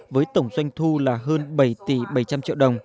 với tổng doanh thu là hơn bảy tỷ bảy trăm linh triệu đồng